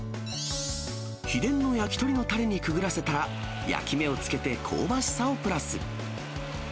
秘伝の焼き鳥のたれにくぐらせたら、焼き目をつけて香ばしさをプラス。